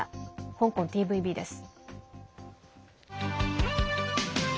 香港ＴＶＢです。